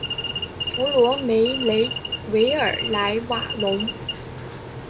弗罗梅雷维尔莱瓦隆。